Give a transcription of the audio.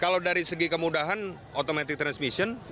kalau dari segi kemudahan automatic transmission